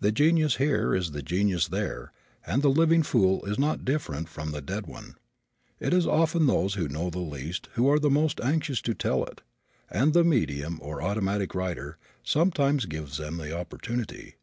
The genius here is the genius there and the living fool is not different from the dead one. It is often those who know the least who are the most anxious to tell it and the medium or automatic writer sometimes gives them the opportunity.